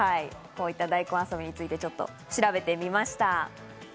こういった大根遊びについて調べてみました。